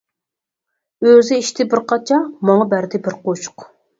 ئۆزى ئىچتى بىر قاچا، ماڭا بەردى بىر قوشۇق.